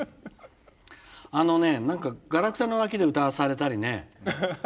あのね何かガラクタの脇で歌わされたりね。